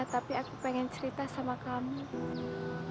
tapi aku pengen cerita sama kamu dulu